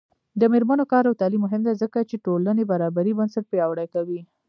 د میرمنو کار او تعلیم مهم دی ځکه چې ټولنې برابرۍ بنسټ پیاوړی کوي.